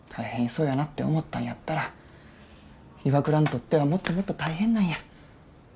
そうやなって思ったんやったら岩倉にとってはもっともっと大変なんや。